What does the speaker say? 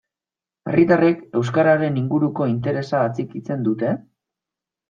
Herritarrek euskararen inguruko interesa atxikitzen dute?